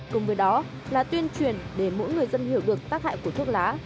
cùng với đó là tuyên truyền để mỗi người dân hiểu được tác hại của thuốc lá